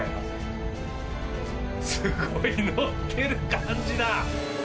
すごい乗ってる感じだ。